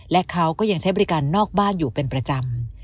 และเขาก็ยังใช้บริการนอกบ้านอยู่เป็นประจำ